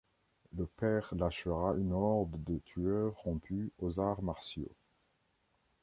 Le père lâchera une horde de tueurs rompus aux arts martiaux.